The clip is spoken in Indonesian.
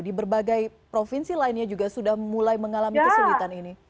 di berbagai provinsi lainnya juga sudah mulai mengalami kesulitan ini